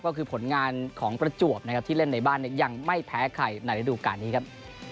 ก็คือผลงานของประจวบนะครับที่เล่นในบ้านเนี่ยยังไม่แพ้ใครในระดูการนี้ครับ